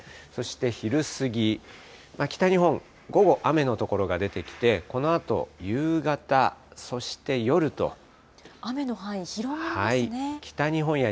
そして昼過ぎ、北日本、午後雨の所が出てきて、このあと夕方、そ雨の範囲広がりますね。